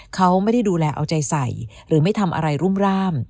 เขาไม่ได้ดูแลเอาใจใส่หรือไม่ทำอะไรรุ่มร่าม